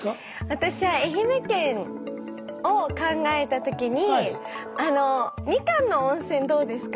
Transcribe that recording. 私は愛媛県を考えた時にあのみかんの温泉どうですか？